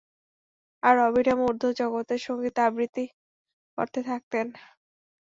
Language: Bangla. আর অবিরাম উর্ধ্ব জগতের সঙ্গীত আবৃত্তি করতে থাকতেন।